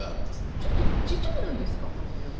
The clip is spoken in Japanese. ちょっとちっちゃくないですかこの非常口。